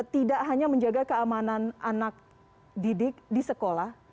tidak hanya menjaga keamanan anak didik di sekolah